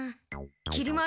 きり丸。